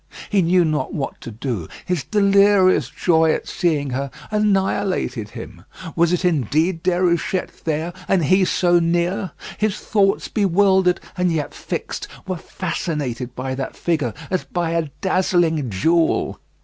He knew not what to do. His delirious joy at seeing her annihilated him. Was it indeed Déruchette there, and he so near? His thoughts, bewildered and yet fixed, were fascinated by that figure as by a dazzling jewel.